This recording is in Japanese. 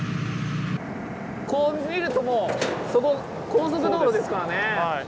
こう見るともうそこ高速道路ですからね。